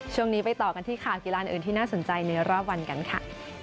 ช่วงนี้ไปต่อกันที่ข่าวกีฬาอื่นที่น่าสนใจในรอบวันกันค่ะ